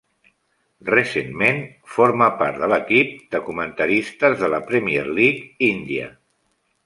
Recentment, forma part de l'equip de comentaristes de la Premier League índia.